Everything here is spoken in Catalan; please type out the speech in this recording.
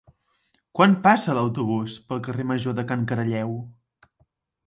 Quan passa l'autobús pel carrer Major de Can Caralleu?